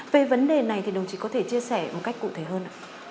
về vấn đề này đồng chí có thể chia sẻ một cách cụ thể hơn